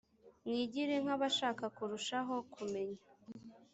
mwigire nkabashaka kurushaho kumenya.